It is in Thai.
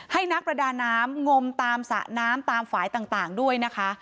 นักประดาน้ำงมตามสระน้ำตามฝ่ายต่างด้วยนะคะ